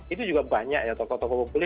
itu juga banyak ya tokoh tokoh pembeli